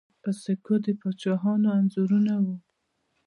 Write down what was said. په سکو د پاچاهانو انځورونه وو